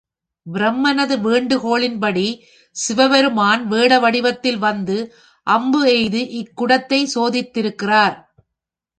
பிரமனது வேண்டுகோளின்படி, சிவபெருமான் வேட வடிவத்தில் வந்து அம்பு எய்து இந்தக் குடத்தைச் சோதித்திருக்கிறார்.